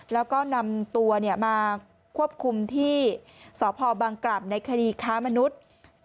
แล้วก็นำตัวมาควบคุมที่สพบังกรับในคดีค้ามนุษย์